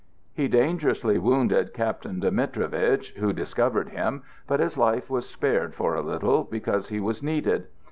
He dangerously wounded Captain Dimitrevitch, who discovered him, but his life was spared for a little, because he was needed.